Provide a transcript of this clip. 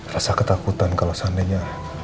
rasa ketakutan kalau seandainya